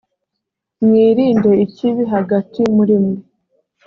mwirinde ikibi hagati muri mwe